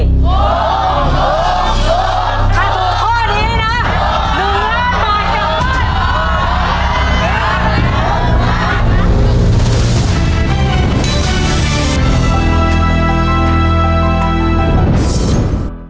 ถ้าถูกข้อนี้นะ๑ล้านบาทกลับบ้าน